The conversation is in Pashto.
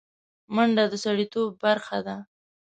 منډه د سړيتوب برخه ده